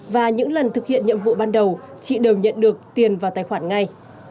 và những lần thực hiện nhiệm vụ ban đầu chị đều nhận được tiền vào tài khoản ngay